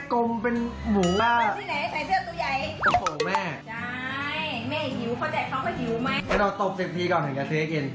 เราจะตบ๑๐ทีก่อนน่าจะเกิดเทะให้กิน